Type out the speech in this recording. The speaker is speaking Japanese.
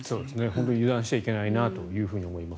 本当に油断しちゃいけないなと思います。